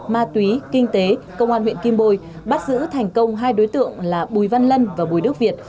ma túy kinh tế công an huyện kim bôi bắt giữ thành công hai đối tượng là bùi văn lân và bùi đức việt